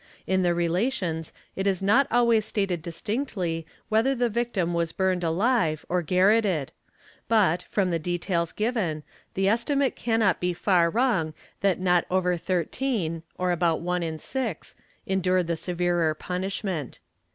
In the relations it is not always stated distinctly whether the victim was burned alive or garrotted but, from the details given, the estimate cannot be far wrong that not over thirteen, or about one in six, endured the severer punishment.